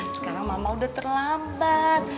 sekarang mama udah terlambat